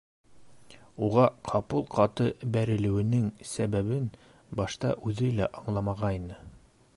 Уға ҡапыл ҡаты бәрелеүенең сәбәбен башта үҙе лә аңламағайны.